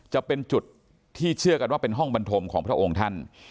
จะเป็นจุดที่เชื่อกันว่าเป็นห้องบรรทมของพระองค์ท่าน